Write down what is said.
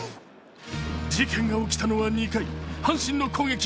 事件が起きたのは２回、阪神の攻撃。